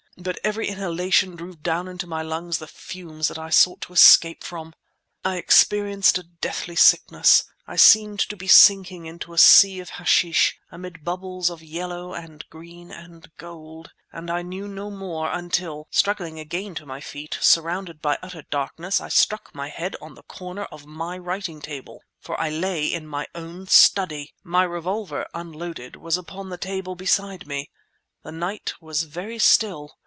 But every inhalation drew down into my lungs the fumes that I sought to escape from. I experienced a deathly sickness; I seemed to be sinking into a sea of hashish, amid bubbles of yellow and green and gold, and I knew no more until, struggling again to my feet, surrounded by utter darkness—I struck my head on the corner of my writing table ... for I lay in my own study! My revolver, unloaded, was upon the table beside me. The night was very still.